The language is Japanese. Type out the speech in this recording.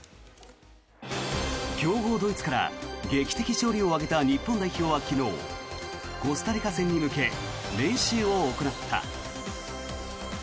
強豪ドイツから劇的勝利を挙げた日本代表は昨日コスタリカ戦に向け練習を行った。